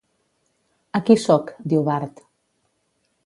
"Aquí soc", diu Bart.